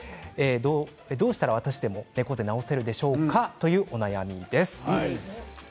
どうしたら私でも猫背を直せるでしょうか？というお悩みです。